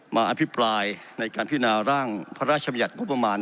มาอภิปรายในการพิจารณาร่างพระราชบัญญัติกรุงประมาณ